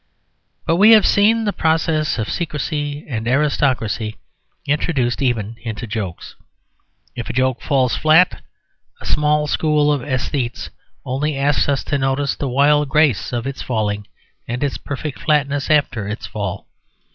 But we have seen the process of secrecy and aristocracy introduced even into jokes. If a joke falls flat, a small school of æsthetes only ask us to notice the wild grace of its falling and its perfect flatness after its fall.